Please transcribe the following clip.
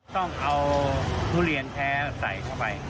ต้องเอาทุเรียนแท้ใส่เข้าไป